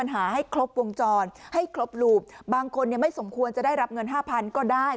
ให้ครบหลูปบางคนเนี้ยไม่สมควรจะได้รับเงินห้าพันก็ได้